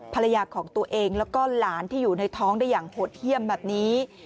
ภรรยาของตัวเองแล้วก็หลานที่อยู่ในท้องได้อย่างโหดเยี่ยมแบบนี้